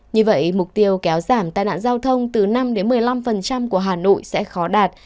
như vậy mục tiêu kéo giảm tai nạn giao thông từ năm một mươi năm của hà nội sẽ khó đạt